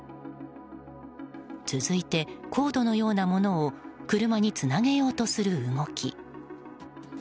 続いてコードのようなものを車につなげようとする動き。